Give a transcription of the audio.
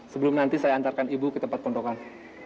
sebelum nanti saya antarkan ibu ke tempat pondokan